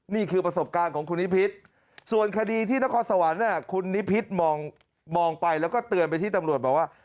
นี่คือประสบการณ์ของคุณนิพิษส่วนคดีที่นครสวรรค์คุณนิพิษมองไปแล้วก็เตือนไปที่ตำรวจบอกว่า